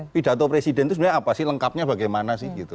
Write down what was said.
pidato presiden itu sebenarnya apa sih lengkapnya bagaimana sih gitu